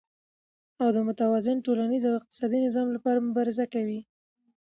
او د متوازن ټولنيز او اقتصادي نظام لپاره مبارزه کوي،